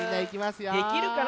できるかな？